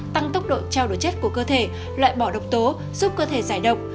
tăng tốc độ trao đổi chất của cơ thể loại bỏ độc tố giúp cơ thể giải động